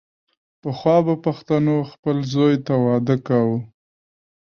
پخوا به پښتنو خپل زوی ته واده کاوو.